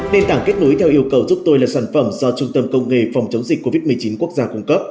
nền tảng kết nối theo yêu cầu giúp tôi là sản phẩm do trung tâm công nghệ phòng chống dịch covid một mươi chín quốc gia cung cấp